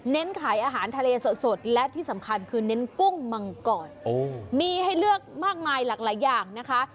ขายอาหารทะเลสดและที่สำคัญคือเน้นกุ้งมังกรมีให้เลือกมากมายหลากหลายอย่างนะคะ